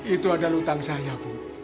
itu adalah utang saya bu